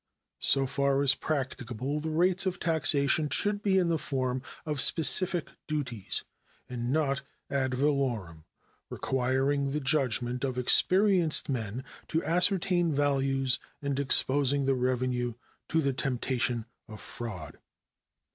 So far as practicable, the rates of taxation should be in the form of specific duties, and not ad valorem, requiring the judgment of experienced men to ascertain values and exposing the revenue to the temptation of fraud.